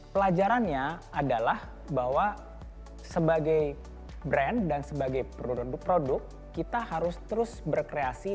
pelajarannya adalah bahwa sebagai brand dan sebagai produk kita harus terus berkreasi